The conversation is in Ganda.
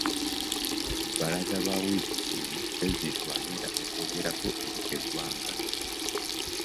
Ku bbalaza lwa wiiki eno, pulezidenti lwa genda okwogerako eri eggwanga.